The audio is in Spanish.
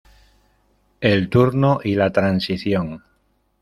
El turno y la transición".